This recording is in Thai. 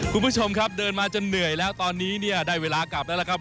คุณผู้ชมครับเดินมาจนเหนื่อยแล้วตอนนี้เนี่ยได้เวลากลับแล้วล่ะครับ